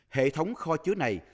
hệ thống kho chứa này